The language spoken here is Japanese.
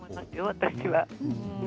私は。